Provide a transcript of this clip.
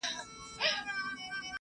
لوستونکی د متن له مطالعې خوند اخلي.